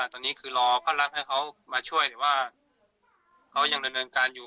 ตอนนี้คือรอก็รับให้เขามาช่วยแต่ว่าเขายังดำเนินการอยู่